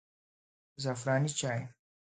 زعفراني چای